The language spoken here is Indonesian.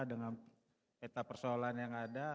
dengan peta persoalan yang ada